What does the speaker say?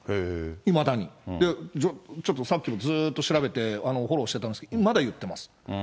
ちょっとさっきもずっと調べてフォローしてたんですけど、まだ言ってます。